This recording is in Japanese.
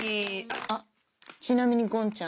あっちなみにごんちゃん